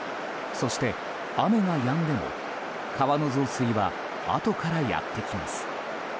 そして、雨がやんでも川の増水はあとからやってきます。